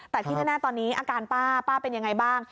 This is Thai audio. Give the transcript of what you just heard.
แต่ที่แน่ตอนนี้อาการป้าป้าเป็นยังไงบ้าง